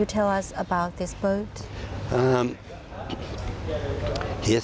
ก็เหมือนกับกัดเพื่อน